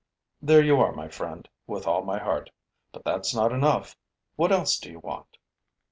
'There you are, my friend, with all my heart. But that's not enough. What else do you want?'